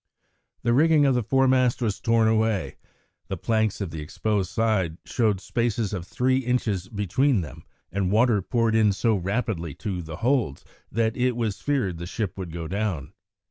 The rigging of the foremast was torn away, the planks of the exposed side showed spaces of three inches between them, and water poured in so rapidly to the holds that it was feared the ship would go down.